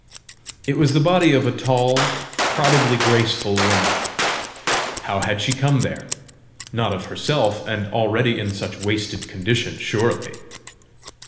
It was the body of a tall, probably graceful woman. How had she come there? Not of herself, and already in such wasted condition, surely!